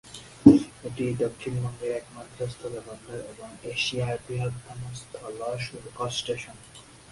এটি দক্ষিণবঙ্গের একমাত্র স্থলবন্দর এবং এশিয়ার বৃহত্তম স্থল শুল্ক-স্টেশন।